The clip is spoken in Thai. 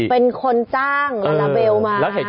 เป็นคนจ้างลาลาเบลมา